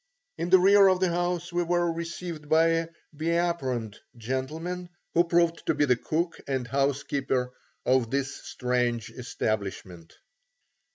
In the rear of the house we were received by a be aproned gentleman who proved to be the cook and housekeeper of this strange establishment.